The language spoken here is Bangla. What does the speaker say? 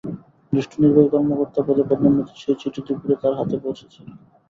জ্যেষ্ঠ নির্বাহী কর্মকর্তা পদে পদোন্নতির সেই চিঠি দুপুরে তাঁর হাতে পৌঁছেছিল।